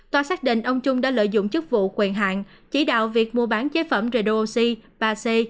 tòa xác định ông trung đã lợi dụng chức vụ quyền hạn chỉ đạo việc mua bán chế phẩm redoxi ba c